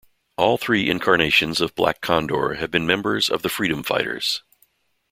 All three incarnations of Black Condor have been members of the Freedom Fighters.